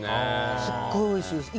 すっごいおいしいです。